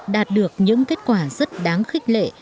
đạt được những kết quả rất đáng khích lệ